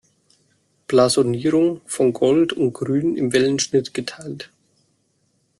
Blasonierung: „Von Gold und Grün im Wellenschnitt geteilt.